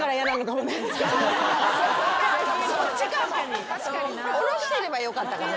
下ろしてればよかったかもね。